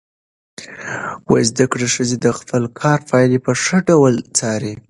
زده کړه ښځه د خپل کار پایلې په ښه ډول څاري.